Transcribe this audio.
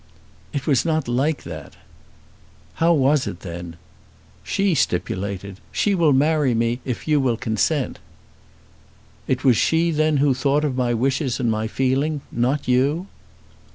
"It was not like that." "How was it then?" "She stipulated. She will marry me if you will consent." "It was she then who thought of my wishes and my feeling; not you?"